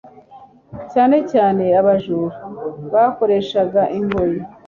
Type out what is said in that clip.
yane cyane abajura. bakoreshaga ingoyi